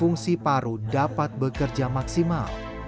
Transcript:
untuk pasien yang baru dapat bekerja maksimal